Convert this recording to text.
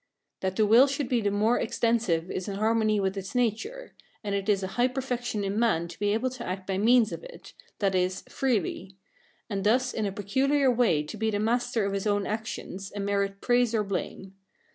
That the will should be the more extensive is in harmony with its nature: and it is a high perfection in man to be able to act by means of it, that is, freely; and thus in a peculiar way to be the master of his own actions, and merit praise or blame.